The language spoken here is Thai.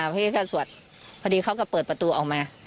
พอดีเขาก็เปิดประตูออกมา